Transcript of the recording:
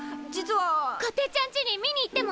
こてっちゃんちに見に行ってもいい？